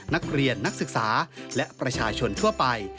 นักเรียนนักศึกษาและประชาชนทั่วไป